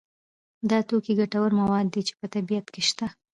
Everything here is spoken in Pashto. دا توکي ګټور مواد دي چې په طبیعت کې شته.